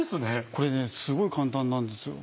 これねすごい簡単なんですよ。